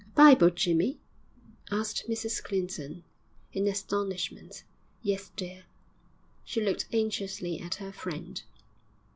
'A Bible, Jimmy?' asked Mrs Clinton, in astonishment. 'Yes, dear!' She looked anxiously at her friend.